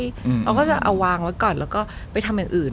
เขาก็จะเอาวางไว้ก่อนแล้วก็ไปทำอย่างอื่น